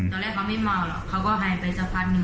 ตอนแรกเขาไม่มาวหรอเค้าก็หายไปจะภาดงี่